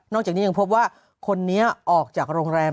จากนี้ยังพบว่าคนนี้ออกจากโรงแรม